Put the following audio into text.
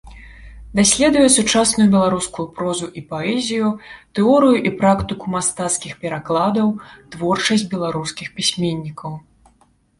Даследуе сучасную беларускую прозу і паэзію, тэорыю і практыку мастацкіх перакладаў, творчасць беларускіх пісьменнікаў.